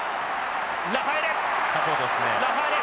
ラファエレ。